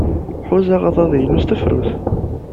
Ḥuzaɣ aḍad-inu s tefrut.